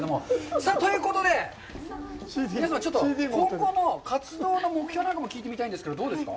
さあ、ということで、皆様ちょっと、今後の活動の目標も聞いてみたいんですけど、どうですか。